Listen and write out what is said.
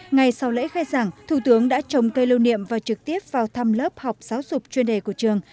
ngày sau lễ khai giảng thủ tướng đã trồng cây lưu niệm và trực tiếp vào thăm lớp học giáo dục chuyên đề của trường